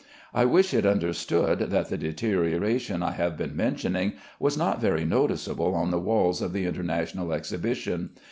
I wish it understood that the deterioration I have been mentioning was not very noticeable on the walls of the International Exhibition.